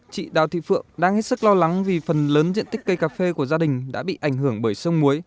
chị đào thị phượng đang hết sức lo lắng vì phần lớn diện tích cây cà phê của gia đình đã bị ảnh hưởng bởi sông muối